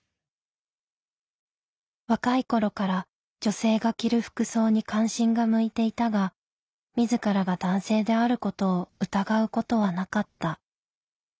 若い頃から女性が着る服装に関心が向いていたが自らが男性であることを疑うことはなかった。